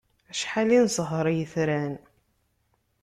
Acḥal i nesher i yetran!